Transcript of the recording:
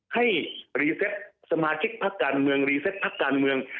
ให้รีเซตสมาชิกพักการเมืองรีเซตพักการเมือง